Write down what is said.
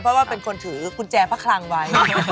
เพราะว่าเป็นคนถือกุญแจพระคลังไว้